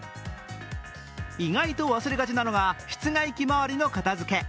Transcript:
意外と忘れがちなのが室外機周りの片づけ。